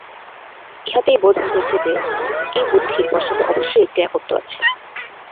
ইহাতেই বোধ হইতেছে যে, এই বুদ্ধির পশ্চাতে অবশ্যই একটি একত্ব আছে।